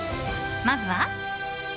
まずは。